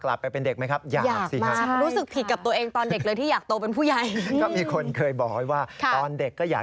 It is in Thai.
ลายมานี่สุขสันต์๓พิธีกรหน้าเด็กครับ